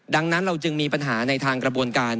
ดังนั้นเราจึงมีปัญหาในทางกระบวนการ